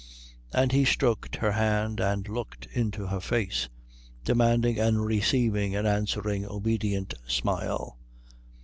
And he stroked her hand, and looked into her face, demanding and receiving an answering obedient smile.